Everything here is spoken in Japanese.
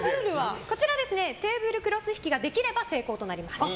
テーブルクロス引きができれば成功となります。